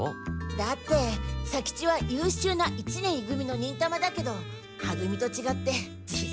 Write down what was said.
だって左吉は優秀な一年い組の忍たまだけどは組とちがって実戦にはからきし弱いから。